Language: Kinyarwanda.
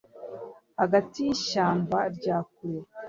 Hagati yishyamba rya kure